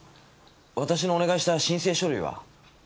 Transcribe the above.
私のお願いした申請書類は？